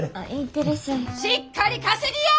しっかり稼ぎや！